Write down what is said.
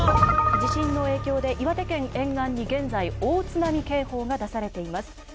地震の影響で岩手県沿岸に現在大津波警報が出されています。